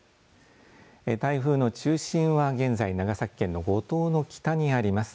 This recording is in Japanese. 台風の中心は現在長崎県の五島の北にあります。